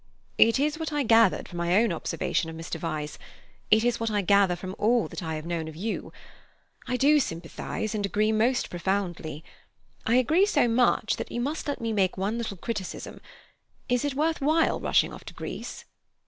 "It is what I gathered from my own observation of Mr. Vyse; it is what I gather from all that I have known of you. I do sympathize and agree most profoundly. I agree so much that you must let me make one little criticism: Is it worth while rushing off to Greece?"